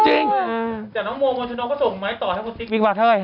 อเจนน้องโมทห์โมยจุโน่งก็ส่งไหมต่อให้ขุมติ๊กบิ๊กวาเทอร์